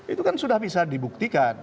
itu kan sudah bisa dibuktikan